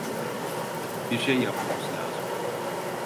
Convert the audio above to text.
Bir şey yapmamız lazım.